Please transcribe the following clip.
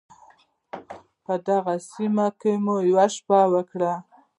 په دغې سیمه کې مو یوه شپه وکړه.